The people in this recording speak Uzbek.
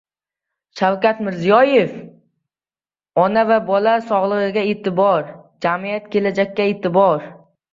Shavkat Mirziyoyev: Ona va bola sog‘lig‘iga e’tibor - jamiyatga, kelajakka e’tibor